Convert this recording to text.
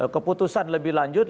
keputusan lebih lanjut